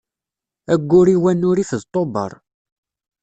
Aggur-iw anurif d Tubeṛ.